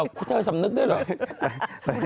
คนอย่างเธอมีสำนึกด้วยหรอ